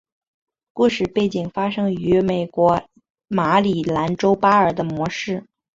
故事背景发生于美国马里兰州巴尔的摩市。